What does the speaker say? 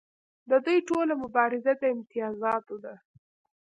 د دوی ټوله مبارزه د امتیازاتو ده.